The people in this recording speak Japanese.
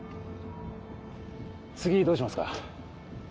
次どうしますか？